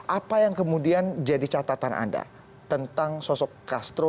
apa yang kemudian jadi catatan anda tentang sosok castro